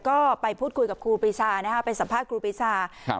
ก็ไปพูดคุยกับครูปรีชานะฮะไปสัมภาษณครูปรีชาครับ